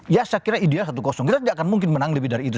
ya saya kira ideal satu kita tidak akan mungkin menang lebih dari itu